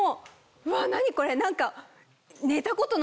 うわっ何これ何か。